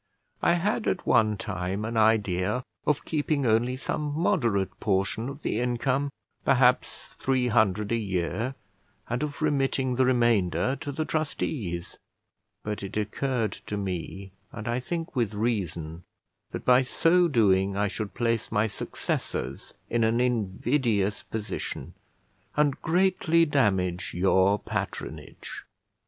I had at one time an idea of keeping only some moderate portion of the income; perhaps three hundred a year, and of remitting the remainder to the trustees; but it occurred to me, and I think with reason, that by so doing I should place my successors in an invidious position, and greatly damage your patronage.